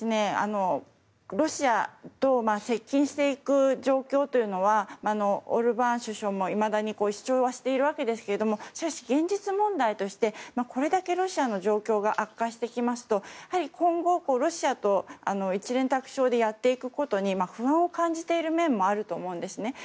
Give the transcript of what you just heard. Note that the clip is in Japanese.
ロシアと接近していく状況というのはオルバーン首相もいまだに主張はしているわけですけどもしかし現実問題としてこれだけロシアの状況が悪化してきますとやはり今後、ロシアと一蓮托生でやっていくことに不安を感じている面もあると思うんですね。